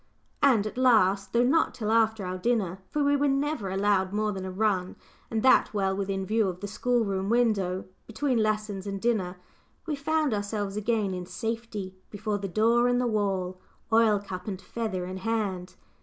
And at last though not till after our dinner, for we were never allowed more than "a run," and that well within view of the schoolroom window, between lessons and dinner we found ourselves again in safety before the door in the wall oil cup and feather in hand.